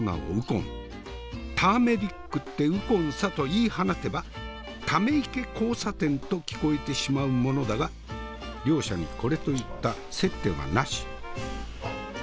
ターメリックってウコンさと言い放てば溜池交差点と聞こえてしまうものだが両者にこれといった接点はなし。